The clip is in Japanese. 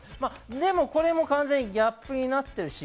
これも完全にギャップになってるし。